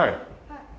はい。